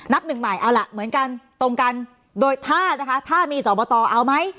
หนึ่งใหม่เอาล่ะเหมือนกันตรงกันโดยถ้านะคะถ้ามีสอบตเอาไหม